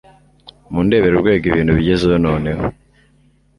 mundebere urwego ibintu bigezeho noneho.